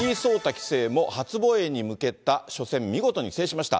棋聖も、初防衛に向けた初戦、見事に制しました。